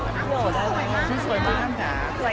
ขอบคุณครับเพราะวันนี้เรียกได้รู้ว่าเชิงเต็มและเว่ง